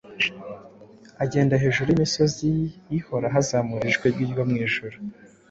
Agenda hejuru yimisozi ihoraho, azamura ijwi rye ryo mwijuru,